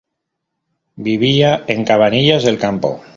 Vivía en Cabanillas del Campo.